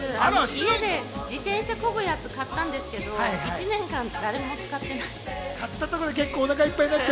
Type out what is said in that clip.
家で自転車をこぐやつを買ったんですけど、１年間、誰も使ってない。